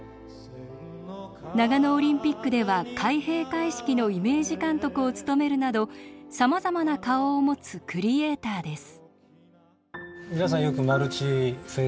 長野オリンピックでは開閉会式のイメージ監督を務めるなどさまざまな顔を持つクリエーターです。